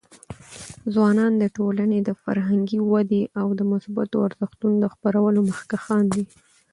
ځوانان د ټولنې د فرهنګي ودي او د مثبتو ارزښتونو د خپرولو مخکښان دي.